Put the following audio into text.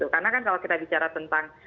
karena kan kalau kita bicara tentang